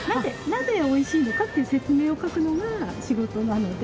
なぜおいしいのかという説明を書くのが仕事なので。